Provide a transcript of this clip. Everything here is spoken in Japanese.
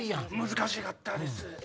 難しかったです。